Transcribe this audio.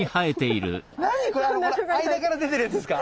なにこれあのほら間から出てるやつですか？